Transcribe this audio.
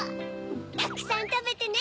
たくさんたべてね